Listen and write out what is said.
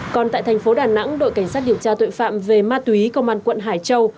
còn tại thành phố đà nẵng đội cảnh sát điều tra tội phạm về ma túy công an quận hải châu